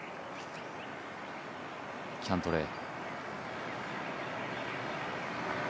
キャントレー。